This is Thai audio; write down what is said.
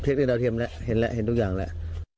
ข้างนี้เราเคียงมั้ยเห็นละเห็นทุกอย่างแล้ว